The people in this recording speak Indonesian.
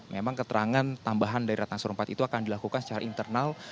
memang keterangan tambahan dari ratna sarumpait itu akan dilakukan secara internal